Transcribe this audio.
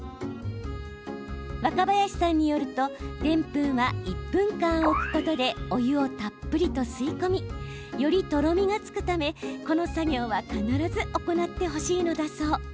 若林さんによるとでんぷんは１分間置くことでお湯をたっぷりと吸い込みより、とろみがつくためこの作業は必ず行ってほしいのだそう。